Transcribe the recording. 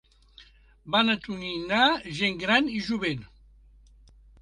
Van atonyinar gent gran i jovent.